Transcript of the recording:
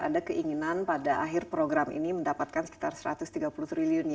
ada keinginan pada akhir program ini mendapatkan sekitar satu ratus tiga puluh triliun ya